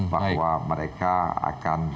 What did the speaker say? bahwa mereka akan